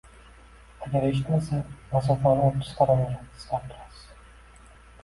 Agar eshitmasa, masofani oʻttiz qadamga qisqartirasiz